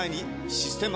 「システマ」